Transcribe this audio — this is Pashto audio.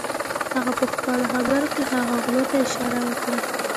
هغه پهخپلو خبرو کې هغو غلو ته اشاره وکړه.